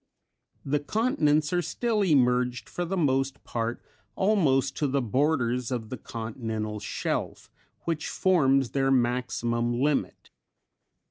The continents are still emerged for the most part almost to the borders of the "continental shelf" which forms their maximum limit.